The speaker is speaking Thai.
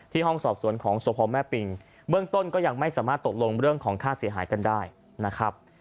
ห้องสอบสวนของสพแม่ปิงเบื้องต้นก็ยังไม่สามารถตกลงเรื่องของค่าเสียหายกันได้นะครับ